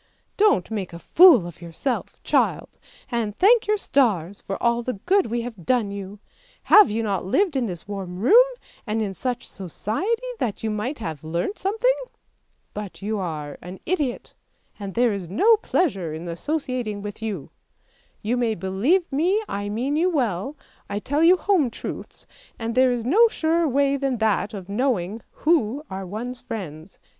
Don't make a fool of yourself, child, and thank your stars for all the good we have done you! Have you not lived in this warm room, and in such society that you might have learnt something? But you are an idiot, and there is no pleasure in associating with you. You may believe me I mean you well, I tell you home truths, and there is no surer way than that of knowing who are one's friends.